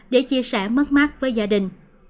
để chia sẻ mất mạng với gia đình